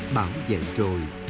bảo vệ rồi